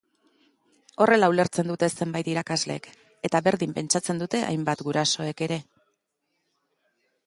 Horrela ulertzen dute zenbait irakaslek, eta berdin pentsatzen dute hainbat gurasok ere.